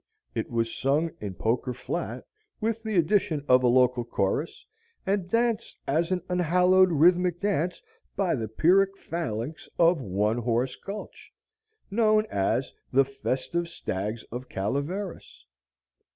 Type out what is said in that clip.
It was sung in Poker Flat with the addition of a local chorus, and danced as an unhallowed rhythmic dance by the Pyrrhic phalanx of One Horse Gulch, known as "The Festive Stags of Calaveras."